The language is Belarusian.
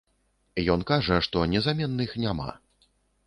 Ён кажа, што незаменных няма.